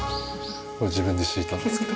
自分で敷いたんですけど。